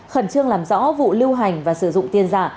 khẩn trương làm rõ vụ lưu hành và sử dụng tiền giả